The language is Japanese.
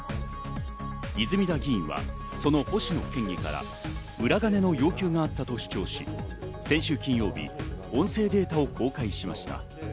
泉田議員はその星野県議から裏金の要求があったと主張し、先週金曜日、音声データを公開しました。